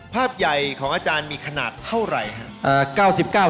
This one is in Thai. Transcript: ภาพใหญ่ของอาจารย์มีขนาดเท่าไหร่ครับ